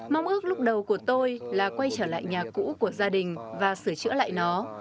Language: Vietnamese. mong ước lúc đầu của tôi là quay trở lại nhà cũ của gia đình và sửa chữa lại nó